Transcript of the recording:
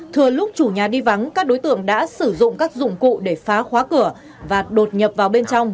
thừa lúc chủ nhà đi vắng các đối tượng đã sử dụng các dụng cụ để phá khóa cửa và đột nhập vào bên trong